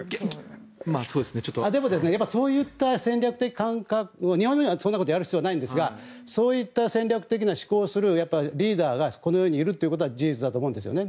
でも、そういった戦略的感覚日本人はそんなことやる必要ないんですがそういった戦略的な思考をするリーダーがこの世にいるということは事実だと思うんですよね。